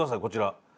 こちら。